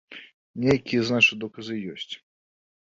Нейкія, значыць, доказы ёсць.